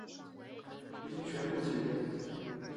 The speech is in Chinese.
已经全部结冰